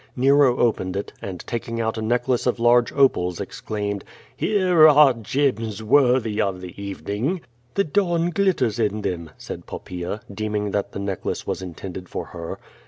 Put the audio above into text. Nero opened it, and taking out a necklace of large opals, exclaimed: '*Here are gems worthy of tlie evening!" "The dawn glitters in them," said Poppaea, deeming that the necklace was intended for her.